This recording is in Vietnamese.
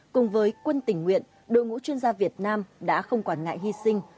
cùng với quân tỉnh nguyện đội ngũ chuyên gia việt nam đã không quản ngại hy sinh